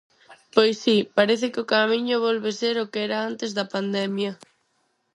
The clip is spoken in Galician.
Pois si, parece que o Camiño volve ser o que era antes da pandemia.